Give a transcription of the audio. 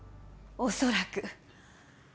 おそらく。